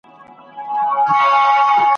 ذخیرې چي پټي نه کړئ په کورو کي `